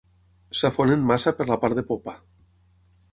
S'enfonsin massa per la part de popa.